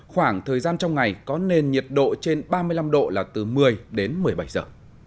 khoảng thời gian trong ngày có nền nhiệt độ trên ba mươi năm độ là từ một mươi đến một mươi bảy giờ